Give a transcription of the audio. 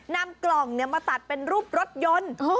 นำกล่องมาตัดเป็นรูปรถยนต์